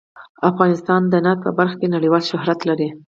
افغانستان د نفت په برخه کې نړیوال شهرت لري.